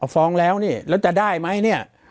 ฟ้องแล้วนี่แล้วจะได้ไหมเนี่ย